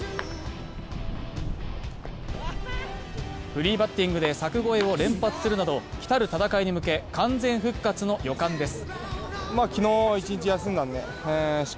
フリーバッティングで柵越えを連発するなど来る戦いに向け、完全復活の予感です。